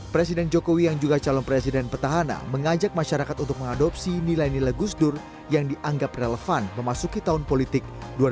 presiden jokowi yang juga calon presiden petahana mengajak masyarakat untuk mengadopsi nilai nilai gusdur yang dianggap relevan memasuki tahun politik dua ribu sembilan belas